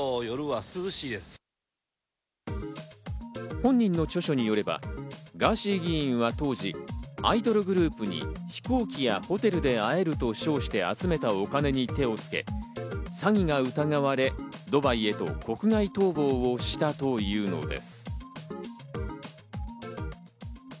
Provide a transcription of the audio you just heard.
本人の著書によれば、ガーシー議員は当時、アイドルグループに飛行機やホテルで会えると称して、集めたお金に手をつけ、詐欺が疑われ、ドバイへと国外逃亡したというのです。